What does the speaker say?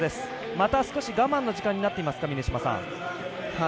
また少し我慢の時間になっていますか。